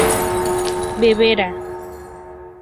beberá